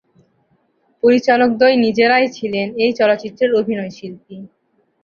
পরিচালকদ্বয় নিজেরাই ছিলেন এই চলচ্চিত্রের অভিনয়শিল্পী।